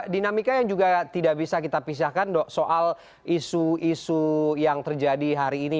dinamika yang juga tidak bisa kita pisahkan dok soal isu isu yang terjadi hari ini